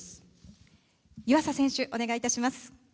湯浅選手、お願いいたします。